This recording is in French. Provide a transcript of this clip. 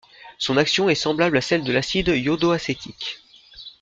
Son action est semblable à celle de l'acide iodoacétique.